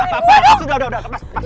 apa apa udah udah udah lepas